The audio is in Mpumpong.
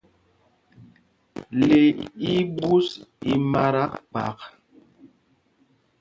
Le í í ɓus i mata kphak.